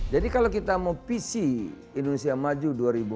jadi kalau kita mau pc indonesia maju dua ribu empat puluh lima